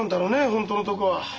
本当のとこは。